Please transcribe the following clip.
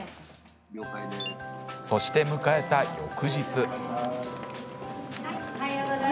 そして、迎えた翌日。